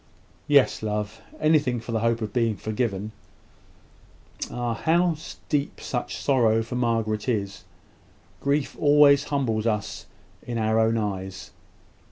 "Yes, love; anything for the hope of being forgiven." "Ah! how deep your sorrow for Margaret is! Grief always humbles us in our own eyes.